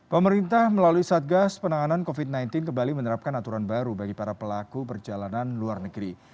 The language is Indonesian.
pemerintah melalui satgas penanganan covid sembilan belas kembali menerapkan aturan baru bagi para pelaku perjalanan luar negeri